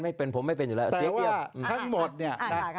ไม่เป็นผมไม่เป็นอยู่แล้วแต่ว่าทั้งหมดเนี้ยครับ